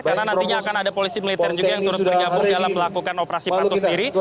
karena nantinya akan ada polisi militer juga yang turut bergabung dalam melakukan operasi pantus diri